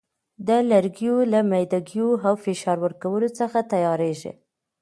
د لرګیو له میده ګیو او فشار ورکولو څخه تیاریږي.